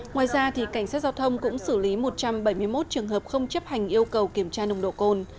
ngoài ra cảnh sát giao thông cũng xử lý một trăm bảy mươi một trường hợp không chấp hành yêu cầu kiểm tra nồng độ cồn